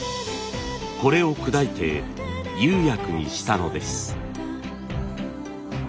これを砕いて釉薬にしたのです。